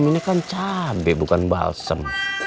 bukan cabai bukan balsam